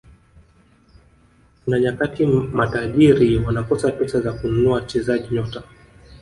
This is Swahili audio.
kuna nyakati matajiri wanakosa pesa za kununua wachezaji nyota